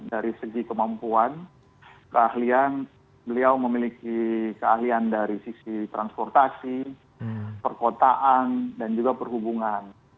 dari segi kemampuan keahlian beliau memiliki keahlian dari sisi transportasi perkotaan dan juga perhubungan